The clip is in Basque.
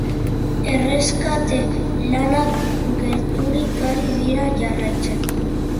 Erreskate lanak gertutik ari dira jarraitzen.